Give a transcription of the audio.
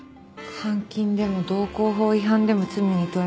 監禁でも道交法違反でも罪に問えませんね。